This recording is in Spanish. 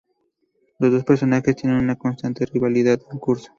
Los dos personajes tienen una constante rivalidad en curso.